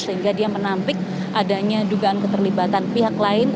sehingga dia menampik adanya dugaan keterlibatan pihak lain